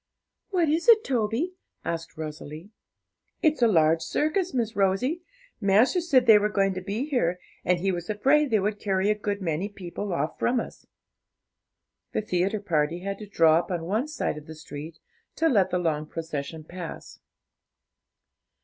'What is it, Toby?' asked Rosalie. 'It's a large circus, Miss Rosie; master said they were going to be here, and he was afraid they would carry a good many people off from us.' The theatre party had to draw up on one side of the street to let the long procession pass.